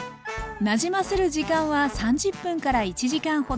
なじませる時間は３０分から１時間ほど。